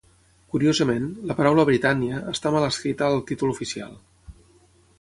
Curiosament, la paraula "Britannia" està mal escrita al títol oficial.